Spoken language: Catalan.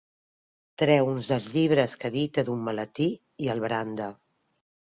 Treu un dels llibres que edita d'un maletí i el branda.